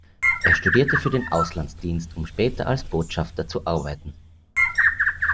Er studierte für den Auslandsdienst, um später als Botschafter zu arbeiten.